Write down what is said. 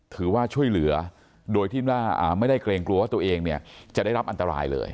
ถือว่าช่วยเหลือโดยที่ว่าไม่ได้เกรงกลัวว่าตัวเองเนี่ยจะได้รับอันตรายเลย